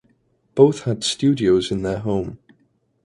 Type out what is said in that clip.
Both had studios in their home.